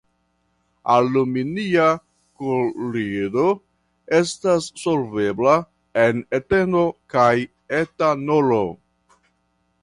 Aluminia klorido estas solvebla en etero kaj etanolo.